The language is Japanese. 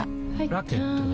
ラケットは？